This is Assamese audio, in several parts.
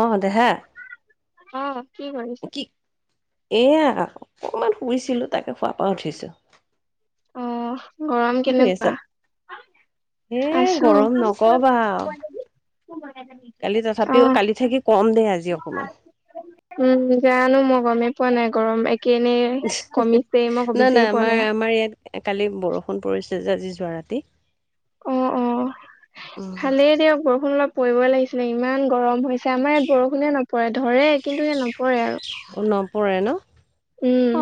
অহ দেহা। অ, কি কৰিছ? কি এয়া অকমান শুইছিলো তাকে শুৱাৰ পা উঠিছো। অ, গৰম কি কৰি কেনেকুৱা? আছা এ আছো গৰম নকবা আও। [unintelligible] কালি অ তথাপিও কালিত থাকি কম দেই আজি অকমান। উম-হুম জানো মই গমেই পোৱা নাই। গৰম এক [unintelligible] না-না পোৱা আমাৰ নাই। আমাৰ ইয়াত কালি বৰষুণ পৰিছে। যে আজি যোৱা ৰাতি উ-উ উম ভালেই দিয়ক বৰষুণ অলপ পৰিবই লাগিছিলে। ইমান গৰম হৈছ আমাৰ ইয়াত বৰষুণে নপৰে ধৰে কিন্তু ইয়াত নপৰে আৰু ধুম তুক নপৰে ন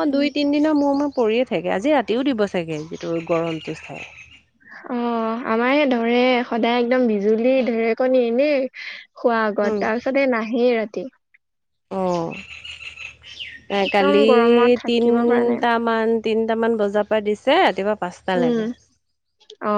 অ দুই তিন দিনৰ মূৰে মূৰে পৰিয়ে থাকে আজি ৰাতিও দিব চাগে যিটো গৰমটো চাই। অ আমাৰেহে ধৰে সদায় একদম বিজুলী ঢেৰেকণী এনে। খোৱাৰ উম আগত তাৰপিছত নাহেই ৰাতি। অ এ একদম কালি গৰমত থাকিব পৰা নাই তিনটামান। তিনটামান বজা পা দিছে ৰাতিপুৱা উম পাঁচটালেকে। অ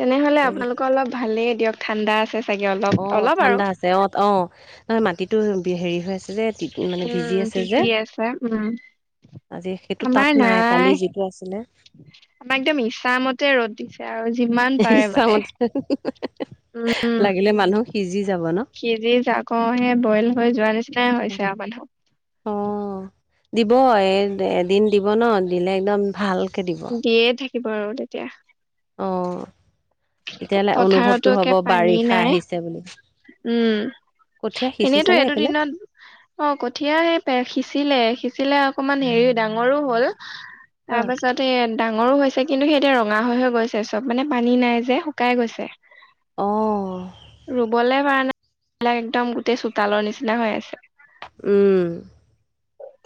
তেনেহলে এতিয়া আপোনালোকৰ অলপ ভালেই দিয়ক ঠাণ্ডা আছে। চাগে অলপ অ অলপ আৰু ঠাণ্ডা আছে অট অহ মাটিতো হেৰি হৈ আছে যে। তি মানে ভিজি উম আছে যে। তিতি আছে উম আজি সেইটো তাপ নাই কালি যিটো আছিলে। আমাক একদম ইছামতে ৰ'দ দিছে আৰু। যিমান পাৰে মানে ইচ্ছামতে উম লাগিলে মানুহ সিজি যাব। ন সিজি যাক অহে বইল হৈ যোৱা নিচিনাই হৈছে আৰু মানুহ। অ দিব এই এদিন দিব ন দিলে একদম ভাল। দিয়ে থাকিব আৰু তেতিয়া- অ তেতিয়াহলে পথাৰতো অনুভৱটো একে হব পানী বাৰিষা নাই আহিছে। বুলি উম কঠীয়া এনেইতো সিঁচিছেনে এই সেইফালে দুদিনত অ কঠিয়া সেই সিচিলে সিচিলে- অকমান হেৰি ডাঙৰো হ'ল তাৰ পাছত সেই ডাঙৰ ডাঙৰো হৈছে কিন্তু সেই যে ৰঙা হৈ হৈ গৈছে চব মানে পানী নাই যে শুকাই গৈছে। অ ৰুবলে পৰা নাই। এইবিলাক একদম গোটেই চোতালৰ নিচিনা হৈ আছে উম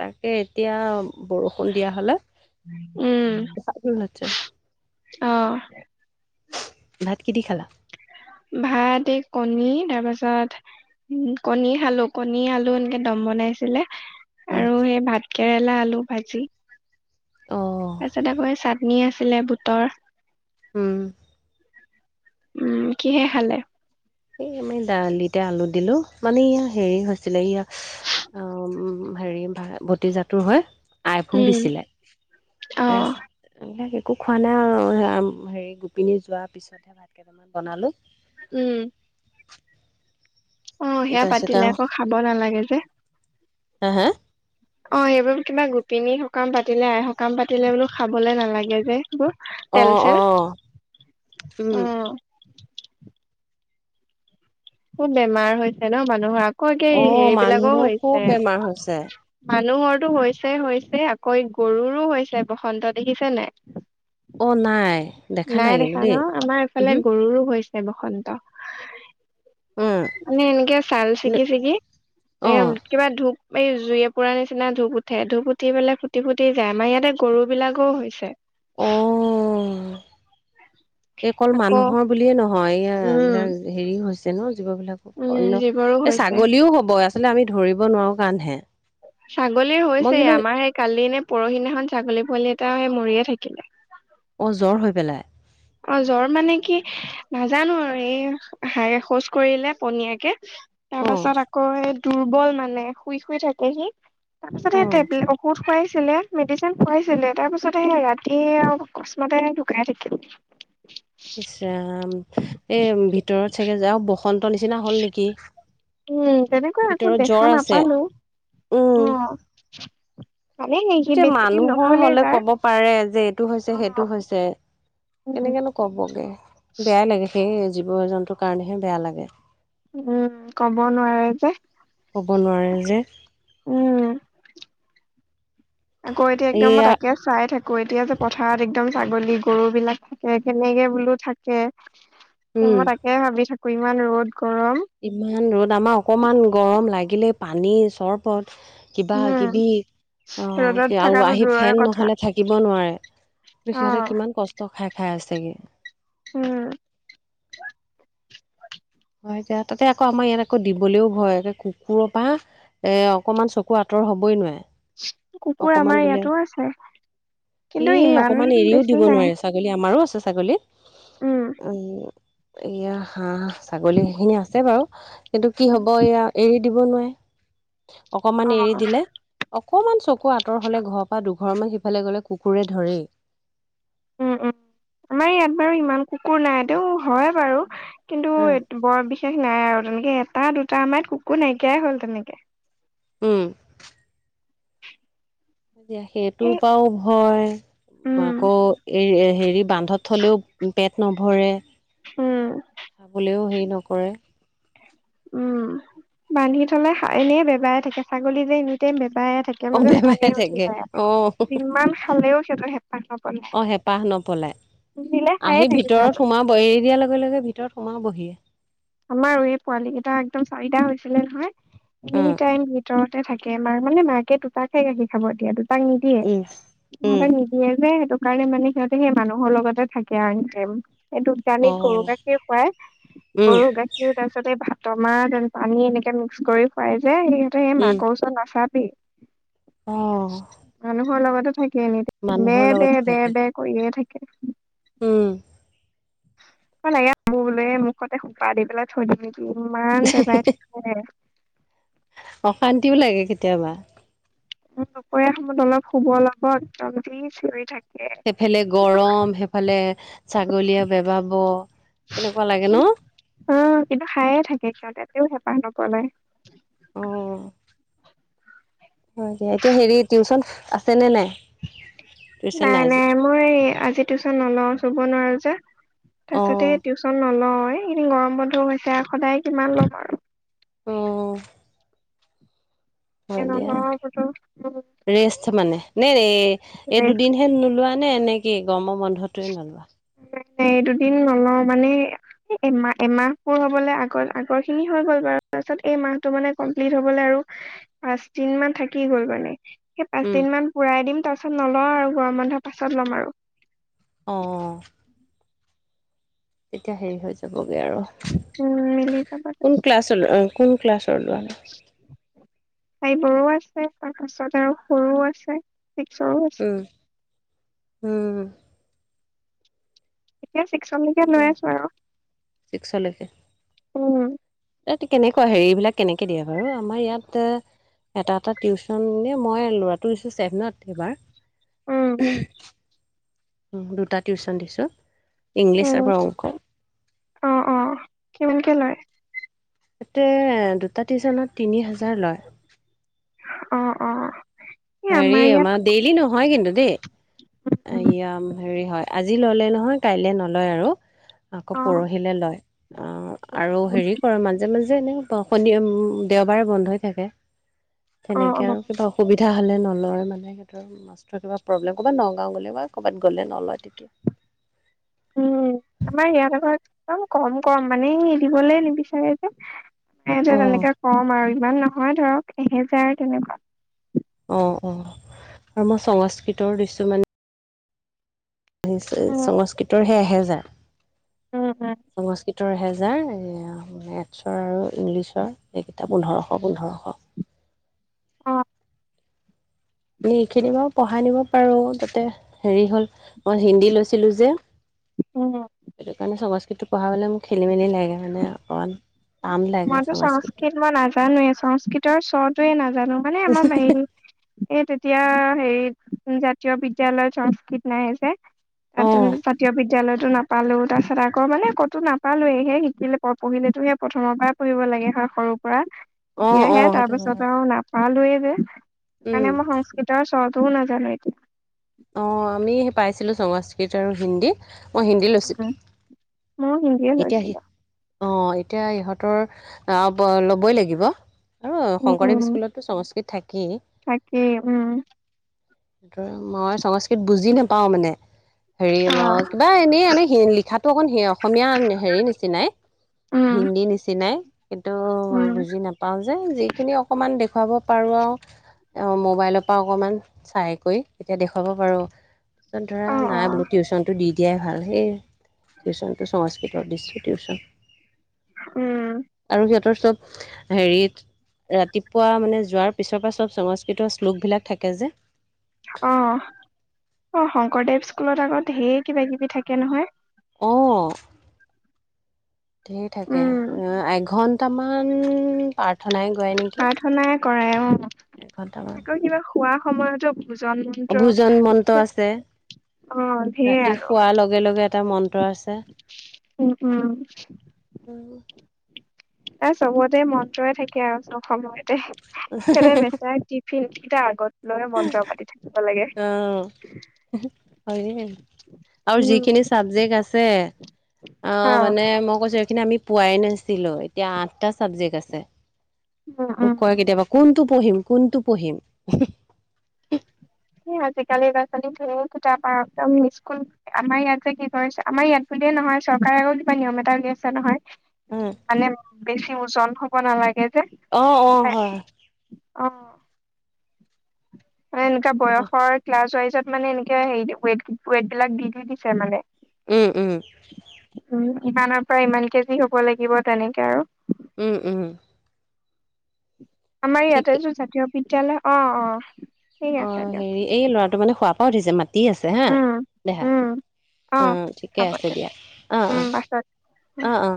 তাকে এতিয়া বৰষুণ দিয়া হলে উম ভাল [unintelligible] অ ভাত কি দি খালা ভাত কণী তাৰপাছত উ কণী খালো কণী আলু এনেকে দম বনাইছিলে ওম আৰু সেই ভাত কেৰেলা আলু ভাজি অ তাৰপিছত আকৌ চাটনি আছিলে বুটৰ উম উম কিহে খালে এই আমি দালিতে আলু দিলো মানে ইয়া হেৰি হৈছিলে ইয়া অম হেৰি ভতিজাটোৰ হৈ আই ভোক উম দিছিলে অ তা এইবিলাক একো খোৱা নাই আৰু হেৰি গোপিনী যোৱাৰ পিছতহে ভাত কেইটামান বনালো উম অ সেয়া তাৰপিছত পাতিলে আকৌ খাব নালাগে যে হে হে অ সেইবোৰ কিবা গোপিনী সকাম পাতিলে আই সকাম পাতিলে বোলো খাবলে নালাগে যে অ তেল অ চেল উম অ খুব বেমাৰ হৈছে ন মানুহৰ আকৌ কি অ সেইবিলাকো মানুহৰ খুব হৈছে বেমাৰ মান হৈছে মানুহৰতো হৈছে হৈছে আকৌ গৰুৰো হৈছে বসন্ত দেখিছে নে নাই নাই দেখা না আমাৰ উহু এইফালে গৰুৰো হৈছে বসন্ত মানে এনেকে চাল ছিগি ছিগি অ এ কিবা ধূপ এই জুই এ পুৰা নিচিনা ধূপ উঠে ধূপ উঠি পেলাই ফুটি ফুটি যায় আমাৰ ইয়াতে গৰু বিলাকৰো হৈছে। অহ এই অকল আকৌ মানুহৰ বুলিয়ে নহয় এয়া উম বিলাক হেৰি হৈছে ন। জীৱ বিলাক উম অন্য জীৱৰো এ হৈছে ছাগলীও হব আচলতে আমি ধৰিব নোৱাৰো কাৰনেহে। ছাগলীৰ হৈছে আমাৰ সেই কালি নে পৰহিদিনাখন ছাগলী পোৱালি তা সেই মৰিয়ে থাকিলে অ জ্বৰ হৈ পেলাই অ জ্বৰ মানে কি নাজানো আৰু এই হা শৌচ কৰিলে পনীয়াকে তাৰ অ পাছত আকৌ দুৰ্বল মানে শুই শুই থাকেহি অ তাৰপিছতে টেপলে ঔষধ খোৱাই ছিল মেডিচিন খোৱাইছিলে তাৰ পাছতে সে ৰাতি আৰু অকস্মাতে ঢুকাই থাকিল ইচ ৰাম এ ভিতৰত চাগে যা বসন্ত নিচিনা হল নেকি উম তেনেকৈ আকৌ ভিতৰত দেখা জ্বৰ আছে নাপালো উম অ ভালেই সি এতিয়া বেছি দিন মানুহৰ নহলে হলে যাৰ কব পাৰে যে এইটো হৈছে সেইটো হৈছে উম কেনেকনো কবগে বেয়াই লাগে সেই জীৱ জন্তুৰ কাৰণেহে বেয়া লাগে উম কব নোৱাৰে যে কব নোৱাৰে যে উম আকৌ এতিয়া একদম মই এয়া তাকে চাই থাকো ক এতিয়া যে পথাৰত একদম ছাগলী গৰু বিলাক থাকে কেনেকে বোলো থাকে। ত উম মই তাকে ভাবি থাকো ইমান ৰ'দ। গৰম ইমান ৰ'দ আমাৰ অকমান গৰম লাগিলে পানী চৰবত কিবা উম কিবি অ ৰ'দত আৰু থকাটো আহি দূৰৰে ফেন কথা নহলে থাকিব নোৱাৰে। অ সিহঁতে কিমান কষ্ট খাই খাই আছেগে। উম। হয় এটিয়া তাতে আকৌ আমাৰ ইয়াত আকৌ দিবলেও ভয় কুকুৰৰ পৰা এ অকনমান চকু আঁতৰ হ'ব বৈ নোৱাৰে। কুকুৰ আমাৰ ইয়াতো আছে। এ কিন্তু ইমান অকমান এৰিও বেছি দিব নাই নোৱাৰে ছাগলী আমাৰো আছে। ছাগলী উম। উম এয়া হাঁহ ছাগলী সেইখিনি আছে বাৰু। কিন্তু কি হব এয়া এৰি দিব নোৱাৰে অকমান এৰি অ'। দিলে অকমান চকু আঁতৰ হলে ঘৰৰ পৰা দুঘৰ মান সিফালে গলে কুকুৰে ধৰেই। উম উম আমাৰ ইয়াত বাৰু ইমান কুকুৰ নাই টোও হয়ে বাৰু। কিন্তু বৰ বিশেষ নাই আৰু, তেনেকে এটা দুটা আমাৰ কুকুৰ নাইকিয়াই হ'ল তেনেকে। উম। এতিয়া সেইটো এই পৰাও ভয়। উম, আকৌ এ হেৰি বান্ধত থলেও পেট নব ভৰে উম, খাবলেও হেৰি নকৰে উম বান্ধি থলে এনেই বেবাই থাকে ছাগলী যে এনি টাইম ব য়ে থাকে অ মোৰ যে খঙে বেমাৰে উঠি থাকে যায়। অ যিমান খালেও সিহঁতৰ হেপাহ নপলাই। পলাই আহি ভিতৰত সোমাবৈ এৰি দিয়াৰ লগে লগে ভিতৰত সোমাবহিয়ে। আমাৰ এই পোৱালি কেইটা একদম চাৰিটা হৈছিলে নহয় এনি উম টাইম ভিতৰত তে থাকে মাৰ মানে মাকে দুতাক খে গাখী খাব এতিয়া দু তাক নিদিয়ে উম উম সিহঁততে নিদিয়ে যে সেইটো সকাৰণে মানে সিহঁতে সেই মানুহৰ লগতে থাকে আৰু। এইটোক অ কানিত গৰু গাখীৰ খুৱায় উম গৰু গাখীৰ তাৰপিছতে ভাত মাহ যেন পানী এনেকে মিক্স কৰি খুৱাই যে সিহঁতে সেই উম মাকৰ উচৰ নাচাবি। অ। মানুহৰ লগতো থাকে এনি টাইম মানুহৰ বেৰ বেৰ বেৰ বেৰ কৰিয়ে থাকে। কে। [unintelligible] হম। [unintelligible] বোলে মুখতে সোপা দি পেলাই থৈ দিম। ইমান বেবাই থাকে। অশান্তিও লাগে কেতিয়াবা। দুপৰীয়া সময়ত অলপ শুব লগ জলদি চিঞৰি থাকে। সেইফালে গৰম, সেইফালে উম ছাগলীয়ে বেবাব। কেনেকুৱা লাগে ন? অ কিবা খাই এ থাকে সিহঁতে তেওঁ হেঁপাহ নপলাই। হয় দিয়া এতিয়া হেৰি টিউচন আছে নে নাই? টিউচন নাই আজি নাই মই আজি টিউচন নলও চোব নোৱাৰো যে। অ তাৰপিছতে টিউশচন নলও, এই এইকেইদিন গৰম বন্ধ ও হৈছে আও সদায় কিমান লম আও। অ। এ হয় দিয়া। নলওঁ বোলো। ৰেষ্ট মানে নে এই এই ৰেষ্ট দুদিনহে নোলোৱা নে এনে কি গৰমৰ বন্ধটোৱে নোলোৱা? ন এই দুদিন নলওঁ মানে। এমাহ এমাহবোৰ হবলৈ আগৰ আগৰ খিনি হৈ গ'ল বাৰু তাৰপিছত এই মাহতটো মানে কমপ্লিট হবলৈ আৰু পাঁচ দিন মান থাকি গ'ল মানে। সেই উম পাঁচদিন মান পুৰাই দিম তাৰ পাছত নলওঁ আৰু গৰম বন্ধৰ পাছত ল'ম আৰু। অ। এতিয়া হেৰি হৈ যাবগে আৰু উম মিলি যাব কোন ক্লাছ কোন ক্লাছৰ যোৱা নাই ফাইবৰো আছে তাৰ পাছত আৰু সৰুও আছে চিক্সৰো আছে। উম উম। এতিয়া চিকচৰ লেকে লৈ দিয়া আছো আৰু উম ত কেনেকুৱা হেৰিবিলাক কেনেকে দিয়ে বাৰু আমাৰ ইয়াত এটা এটা টিউশচন নে মই ল'ৰাটো দিছো চেভেনত এইবাৰ। উম উহু, দুটা টিউশন দিছোঁ। ইংলিছ উম আৰু অংক। অ অ কিমানকে লয়? তাতে দুটা টিউছনত তিনি হাজাৰ লয়। অ অ। এই হেৰি ইয়াত আমাৰ ডেইলি নহয় কিন্তু দেই। উম, এয়া হেৰি হয় আজি ললে নহয়, কাইলে নলয় আৰু। আকৌ অ পৰহিলে লয়, আহ উম, আৰু উম, হেৰি কৰে মাজে মাজে এনে শ -শনি -দেওবাৰে বন্ধ হৈ থাকে, অ তেনেকে অ আৰু কিবা অসুবি বিধা হ'লে নলয় মানে সিহঁতৰ মাষ্টৰ কিবা প্ৰব্লেম কবা ন গাওঁ গলে বা কৰ'বাত গলে নলয় তেতিয়া। উম আমাৰ ইয়াল একদম কম কম মানে এৰি দিবলে নিবিচাৰে যে। এইটো অ তেনেকে কম আৰু ইমান নহয় ধৰক এহেজাৰ তেনেকুৱা। অ অ আৰু মই সংস্কৃতৰ দৃশ্য মানে ইচ উম সংস্কৃতৰ হে এহেজাৰ, উম উম সংস্কৃত সত্তৰ হেজাৰ মেথছৰ আৰু ইংলিছৰ এইকেইটা পোন্ধৰশ- পোন্ধৰশ। অ', এ এইখিনি বাৰু পঢ়াই নিব পাৰো তাতে হেৰি হল মই হিন্দী লৈছিলো যে। উম, সেইটো কাৰণে সংস্কৃতি পঢ়াবলৈ মোক খেলি মেলি লাগে মানে অকমান। মইতো সংস্কৃৃত মই নাজানোৱে। সংস্কৃতৰ স্বটোৱে নাজানো মানে আমাৰ বাহিৰ এই এতিয়া হেৰি জাতীয় বিদ্যালয়ত সংস্কৃত নাই যে জাত অঁ -জাতীয় বিদ বিদ্যালয়তো নাপালো তাৰপিছত আকৌ মানে কতো নাপালোৱেহে শিকিলে পঢ়িলেতোহে প্ৰথ প্ৰথমৰ পৰা পুৰিব লাগে হয় সৰুৰ পৰা, অঁ তেতিয়াহে অঁ তাৰ সেইটো হয় পাছত আৰু না ভালয়ে যে সেইকাৰণে আমাৰ সংস্কৃতৰ শ্বৰটো নাজানো এতিয়া। অঁ আমি পাইছিলোঁ সংস্কৃত আৰু হিন্দী। মই হিন্দী লৈচিলোঁ। মই হিন্দীয়ে লৈছিলো। অ এতিয়া ইহঁতৰ অ ব ল'বই লাগিব। আৰু উম শংকৰদেৱ উম স্কুলতো সংস্কৃত থাকেই। তাকেই উম সেই মই সংস্কৃত বুজি নাপাওঁ মানে। হেৰি অ কিবা এনেই এনে লিখাতটো অকণ স [inaudible] আন হেৰি নিচিনাই, উম হিন্দী নিচিনাই কিন্তু মই উম বুজি নাপাও। যে যিখিনি অকমান দেখুৱাব পাৰো আৰু। অ মোবাইলৰ পৰা অকণমান চাই কৰি এতিয়া দেখুৱাব পাৰোঁ। ত ধৰা অ অ নাই বোলো টিউচনটো দি দিয়াই ভাল। সেই টিউচন সংস্কৃতৰ দিছোঁ টিউছন। উম। চব হেৰিত ৰাতিপুৱা মানে যোৱাৰ পিছৰ পৰা চব সংস্কৃত শ্লোক বিলাক থাকে যে। অ, অ শংকৰদেৱ স্কুলত আগত ধেই কিবা কিবি থাকে নহয়? অ'। ধেই থাকে, উম এঘন্টামান প্ৰাৰ্থনাই গোৱাই নেকি? কৰাই অহ। এঘণ্টামান। কোৱা সময়তো ভোজন মন্ত্ৰ, মন্ত্ৰ আছে অ ধেৰ ৰাতি আৰু। শোৱাৰ লগে লগে এটা মন্ত্ৰ আছে উম উম। ত চবতে মন্ত্ৰই থাকে আৰু চব সময়তে কে [inaudible] ফিল কেইটা আগত লৈ মন্ত্ৰ পাতি থাকো। আহ হয়ে। আৰু উম যিখিনি চাবজেক্ট আছে, অ মানে মই কৈছো সেইখিনি আমি পোৱাই নাছিলো, এতিয়া আঠটা চাবজেক্ট আছে। উম মোক উম কয় কেতিয়াবা কোনটো পঢ়িম কোনটো পঢ়িম? আজিকালি ল'ৰা ছোৱালী ধেই কিতাপ পাই, একদম স্কুল আমাৰ ইয়াত যে কি কৰিছে, আমাৰ ইয়াত বুলিয়ে নহয়। নয় চৰকাৰে আকৌ কিবা নিয়ম এটা উল আছে নহয় মানে বেছি ওজন হব নালাগে। যে আহ অ এ হয়। অ। মান এনেকুৱা বয়সৰ ক্লাছ ৱাইজত মানে এনেকে সেই ৱেইট ৱেইট বিলাক দি দি দিছে মানে। উম উম। উম, ইমানৰ পৰা ইমান কেজি হ'ব লাগিব তেনেকে আৰু। উম উম। আমাৰ ঠিক ইয়াতে যো জাতীয় বিদ্যয়ালয় অ অ। ঠিক অ আছে দিয়ক হেৰি এই ল'ৰাটো মানে শুৱাৰ পৰা উঠিছে, মাতি আছে হা, উম, দেহা। উম, অ ঠিকে হ'ব আছে দিয়ক দিয়া অ উম, পাছত অ অ অ।